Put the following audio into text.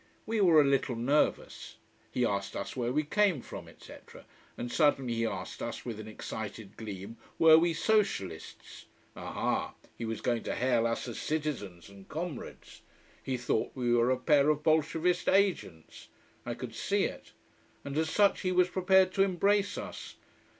We were a little nervous. He asked us where we came from, etc. And suddenly he asked us, with an excited gleam, were we Socialists. Aha, he was going to hail us as citizens and comrades. He thought we were a pair of Bolshevist agents: I could see it. And as such he was prepared to embrace us.